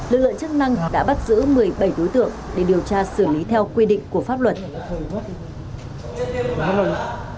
lực lượng chức năng đã bắt giữ một mươi bảy đối tượng để điều tra xử lý theo quy định của pháp luật